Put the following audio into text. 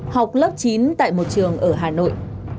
học lớp chín tại một trường ở hà nội